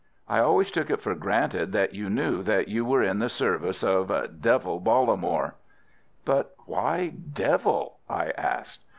I always took it for granted that you knew that you were in the service of 'Devil' Bollamore." "But why 'Devil'?" I asked.